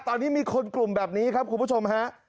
ตอนนี้มีคนกลุ่มแบบนี้ครับคุณผู้ชมฮะ